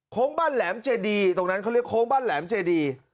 บ้านแหลมเจดีตรงนั้นเขาเรียกโค้งบ้านแหลมเจดี